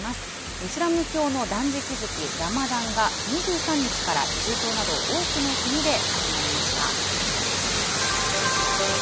イスラム教の断食月、ラマダンが２３日から中東など多くの国で始まりました。